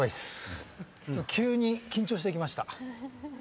急に緊張してきました。